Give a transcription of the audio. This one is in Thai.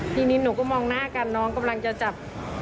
ทีนี้หนูก็มองหน้ากันน้องกำลังจะจับ